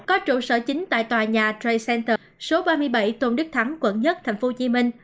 có trụ sở chính tại tòa nhà tray centers số ba mươi bảy tôn đức thắng quận một tp hcm